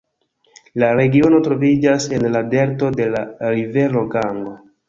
La regiono troviĝas en la delto de la rivero Gango.